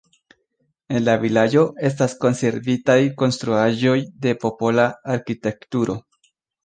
En la vilaĝo estas konservitaj konstruaĵoj de popola arkitekturo.